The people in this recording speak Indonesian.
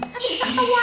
nanti bisa ketauan